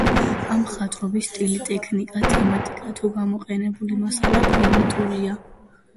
ამ მხატვრობის სტილი, ტექნიკა, თემატიკა თუ გამოყენებული მასალა პრიმიტიულია.